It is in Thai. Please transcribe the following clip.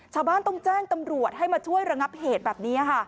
ชาวบ้านต้องแจ้งตำรวจให้มาช่วยระงับเหตุแบบนี้ค่ะ